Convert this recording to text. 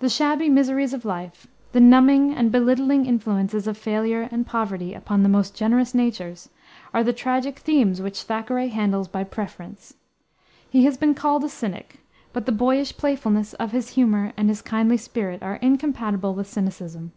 The shabby miseries of life, the numbing and belittling influences of failure and poverty upon the most generous natures, are the tragic themes which Thackeray handles by preference. He has been called a cynic, but the boyish playfulness of his humor and his kindly spirit are incompatible with cynicism.